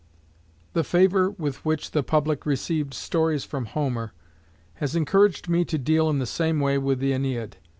The favour with which the public received "Stories from Homer" has encouraged me to deal in the same way with the Æneid.